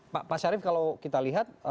pak syarif kalau kita lihat